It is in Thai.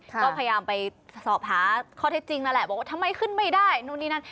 ก็พยายามไปสอบหาข้อเท็จจริงนั่นแหละบอกว่าทำไมขึ้นไม่ได้นู่นนี่นั่น